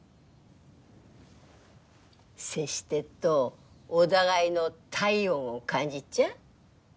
接してっとお互いの体温を感じっちゃ？